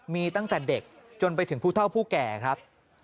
มีตั้งแต่เด็กจนไปถึงผู้เท่าผู้แก่ครับ